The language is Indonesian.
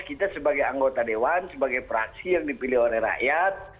kita sebagai anggota dewan sebagai praksi yang dipilih oleh rakyat